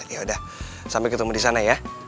ya udah sampai ketemu disana ya